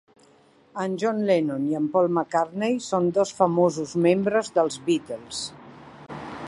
En John Lennon i en Paul McCartney són dos famosos membres dels Beatles.